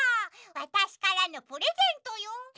わたしからのプレゼントよ。